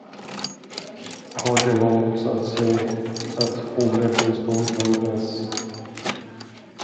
Parten har motsatt sig att hovrättens dom ändras.